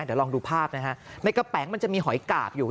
เดี๋ยวลองดูภาพนะฮะในกระแป๋งมันจะมีหอยกาบอยู่